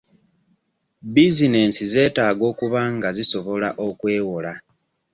Buzinensi zeetaaga okuba nga sisobola okwewola.